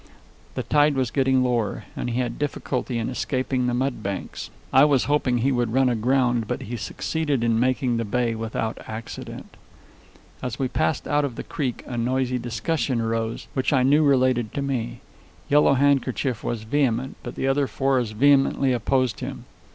The tide was getting lower, and he had difficulty in escaping the mud banks. I was hoping he would run aground, but he succeeded in making the bay without accident. As we passed out of the creek a noisy discussion arose, which I knew related to me. Yellow Handkerchief was vehement, but the other four as vehemently opposed him.